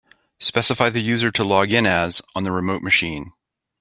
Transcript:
Specify the user to log in as on the remote machine.